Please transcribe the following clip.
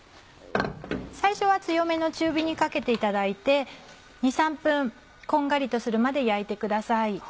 最初は強めの中火にかけていただいて２３分こんがりとするまで焼いてください。